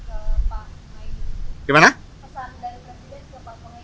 ya ada pesan apa apa cuma tips salam aja